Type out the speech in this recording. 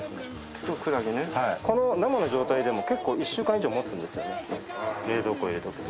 この生の状態でも結構１週間以上もつんですよね冷蔵庫入れておくと。